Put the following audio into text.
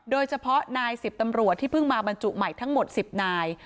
โดยเฉพาะนาย๑๐ตำรวจที่เพิ่งมาบรรจุใหม่ทั้งหมด๑๐นาย